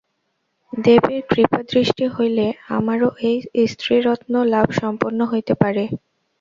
দেবীর কৃপাদৃষ্টি হইলে আমারও এই স্ত্রীরত্ন লাভ সম্পন্ন হইতে পারে।